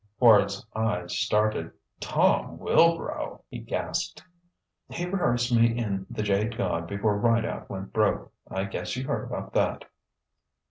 Quard's eyes started. "Tom Wilbrow!" he gasped. "He rehearsed me in 'The Jade God' before Rideout went broke. I guess you heard about that."